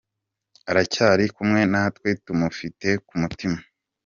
Aracyari kumwe natwe, tumufite ku mutima.